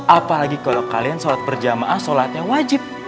apalagi kalau kalian sholat berjamaah sholatnya wajib